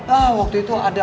oh waktu itu ada